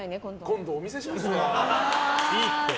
今度お見せしますわ。